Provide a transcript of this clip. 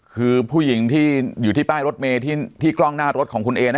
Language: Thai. คือผู้หญิงที่อยู่ที่ป้ายรถเมย์ที่กล้องหน้ารถของคุณเอนะ